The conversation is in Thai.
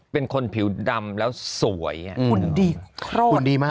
เป็นคนผิวดำแล้วสวยอืมคุณดีโครตคุณดีมาก